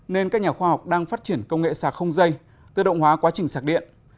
nên các nhà khoa học đang phát triển công nghệ sạc không dây tự động hóa quá trình sạc điện